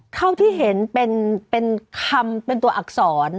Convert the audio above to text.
เท่าที่เห็นเป็นคำเป็นตัวอักษร